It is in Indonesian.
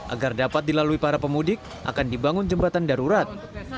agar dapat dilalui para pemudik akan dibangun jembatan darurat